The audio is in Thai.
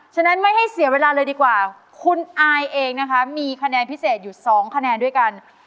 ฉะนั้นไม่ให้เสียเวลาเลยดีกว่าคุณอายเองนะคะมีคะแนนพิเศษอยู่๒คะแนนด้วยกัน